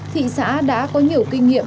thị xã đã có nhiều kinh nghiệm